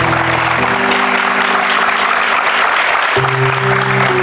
ผมรักพ่อกับแม่บ้างครับ